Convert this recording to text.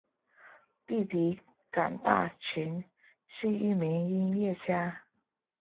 弟弟港大寻是一名音乐家。